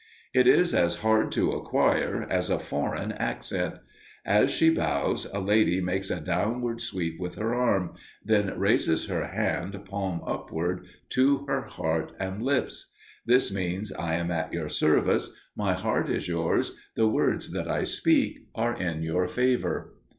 It is as hard to acquire as a foreign accent. As she bows, a lady makes a downward sweep with her arm, then raises her hand, palm upward, to her heart and lips. This means, "I am at your service; my heart is yours; the words that I speak are in your favor."